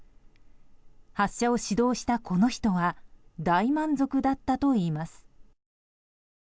発射を指導した、この人は大満足だったといいます。